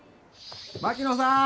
槙野さん